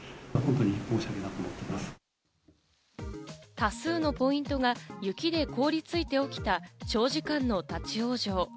多数のポイントが雪で凍りついて起きた長時間の立ち往生。